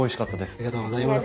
ありがとうございます。